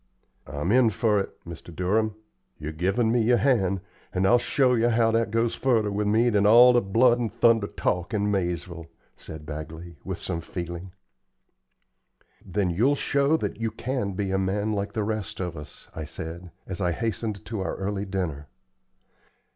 "I'm in fer it, Mr. Durham. You've given me your hand, and I'll show yer how that goes furder with me than all the blood and thunder talk in Maizeville," said Bagley, with some feeling. "Then you'll show that you can be a man like the rest of us," I said, as I hastened to our early dinner.